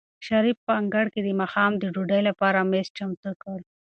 شریف په انګړ کې د ماښام د ډوډۍ لپاره مېز چمتو کړ.